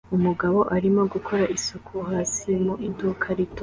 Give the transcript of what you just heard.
Umugabo arimo gukora isuku hasi mu iduka rito